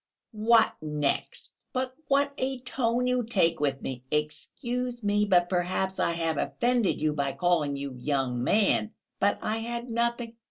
"What next? But what a tone you take with me! Excuse me, but perhaps I have offended you by calling you young man, but I had nothing